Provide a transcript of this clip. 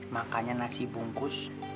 makannya nasi bungkus